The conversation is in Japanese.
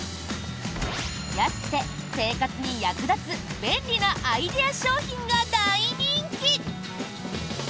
安くて、生活に役立つ便利なアイデア商品が大人気！